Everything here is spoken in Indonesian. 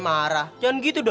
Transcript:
nah kesini jele keduanya